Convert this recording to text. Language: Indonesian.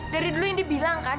dari dulu indi bilang kan